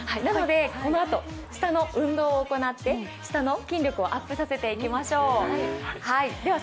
このあと舌の運動を行って、舌の筋力をアップさせていきましょう。